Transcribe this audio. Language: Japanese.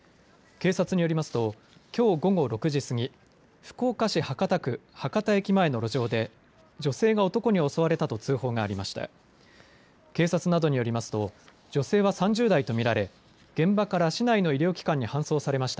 警察によりますときょう午後６時過ぎ、福岡市博多区博多駅前の路上で女性が男に襲われたと通報がありました。